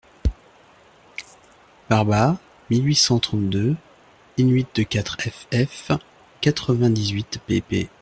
Barba, mille huit cent trente-deux, in-huit de quatre ff., quatre-vingt-dix-huit pp.